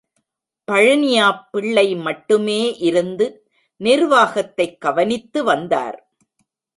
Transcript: பழனியாப்பிள்ளை மட்டுமே இருந்து நிர்வாகத்தைக் கவனித்து வந்தார்.